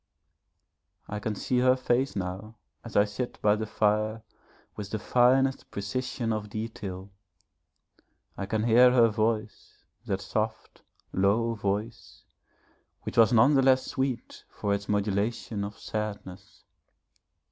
I can see her face now as I sit by the fire with the finest precision of detail. I can hear her voice, that soft, low voice, which was none the less sweet for its modulation of sadness.